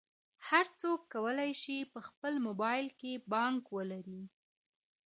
هر څوک کولی شي په خپل موبایل کې بانک ولري.